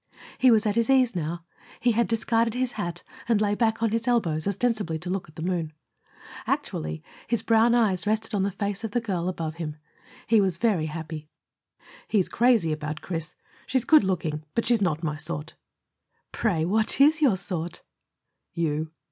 He was at his ease now. He had discarded his hat, and lay back on his elbows, ostensibly to look at the moon. Actually his brown eyes rested on the face of the girl above him. He was very happy. "He's crazy about Chris. She's good looking, but she's not my sort." "Pray, what IS your sort?" "You."